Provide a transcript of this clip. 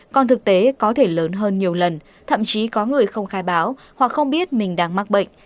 còn thực tế có thể lớn hơn nhiều lần thậm chí có người không khai báo hoặc không biết mình đang mắc bệnh